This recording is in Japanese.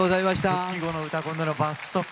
復帰後の「うたコン」での「バス・ストップ」